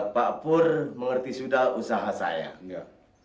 pak pur mengerti sudah usaha saya enggak